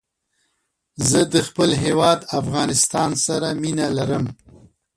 زه د خپل هېواد افغانستان سره مينه لرم